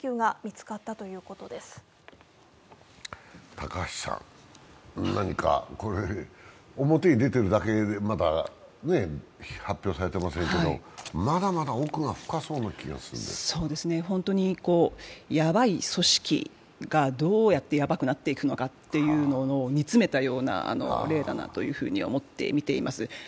高橋さん、表に出ているだけで、まだ発表されていませんけど、まだまだ奥が深そうな気がするんですけど本当にヤバい組織がどうやってヤバくなっていくのかというのを煮詰めたような例だなと思ってみています。